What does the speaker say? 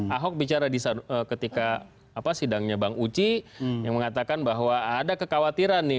ahok bicara ketika sidangnya bang uci yang mengatakan bahwa ada kekhawatiran nih